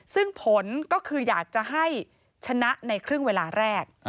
ซึ่งผลก็คืออยากจะให้ชนะในครึ่งเวลาแรก